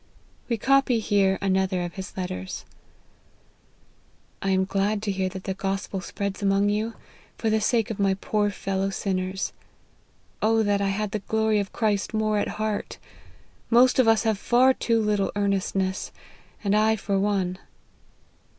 We copy here another of his let ters :" I am glad to hear that the Gospel spreads among you, for the sake of my poor fellow sinner^. that I had the glory of Christ more at heart ! Most of us have far tqo little earnestness ; and I for one.